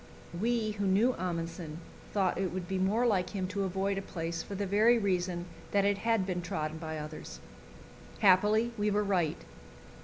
We who knew Amundsen thought it would be more like him to avoid a place for the very reason that it had been trodden by others. Happily we were right.